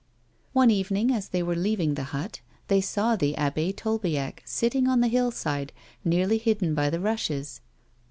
One evening, as they were leaving the hut, they saw the Abb6 Tolbiac sitting on the hill side, nearly hidden by the rushes.